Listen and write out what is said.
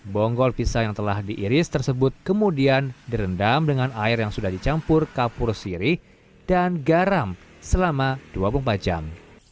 bonggol pisang yang telah diiris tersebut kemudian direndam dengan air yang sudah dicampur kapur sirih dan garam selama dua puluh empat jam